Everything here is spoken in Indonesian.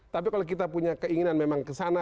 tapi kalau kita punya keinginan memang kesana